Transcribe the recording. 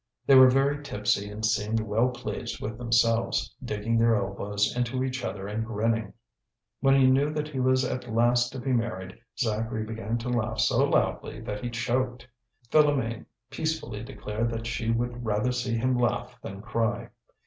They were very tipsy and seemed well pleased with themselves, digging their elbows into each other and grinning. When he knew that he was at last to be married Zacharie began to laugh so loudly that he choked. Philoméne peacefully declared that she would rather see him laugh than cry.